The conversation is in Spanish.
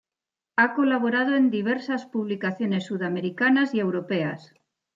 Ha colaborado en diversas publicaciones sudamericanas y europeas.